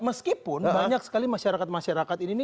meskipun banyak sekali masyarakat masyarakat ini